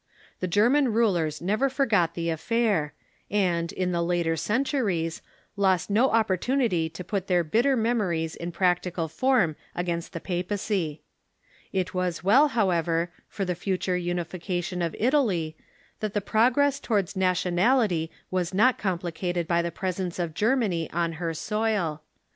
The German rulers never forgot the affair, and, in the later centuries, lost no opportunity to put their bitter memories in practical form against the papacy. It was well, however, for the future unification of Italy that the progress towards nationality Avas not complicated by the presence of Germany on her soil.